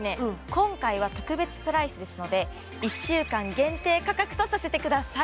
今回は特別プライスですので１週間限定価格とさせてください